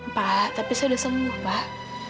pak tapi saya udah senang pak